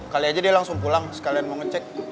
kali aja dia langsung pulang sekalian mau ngecek